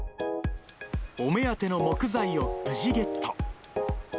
お目当ての木材を無事ゲット。